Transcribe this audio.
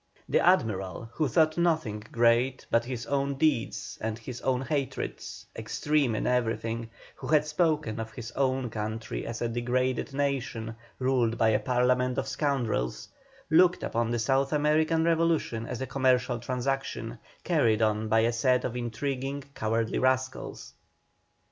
The Admiral, who thought nothing great but his own deeds and his own hatred, extreme in everything, who had spoken of his own country as a degraded nation, ruled by a parliament of scoundrels, looked upon the South American revolution as a commercial transaction, carried on by a set of intriguing, cowardly rascals.